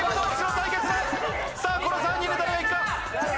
さぁこの３人の誰がいくか？